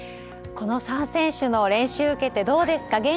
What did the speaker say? この３選手の練習を受けてどうですか？